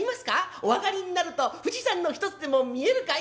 お上がりになると富士山の一つでも見えるかい？